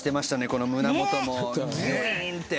この胸元もギュイーンって。